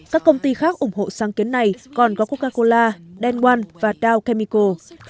các công ty khác ủng hộ sáng kiến này còn có coca cola danone và dow chemical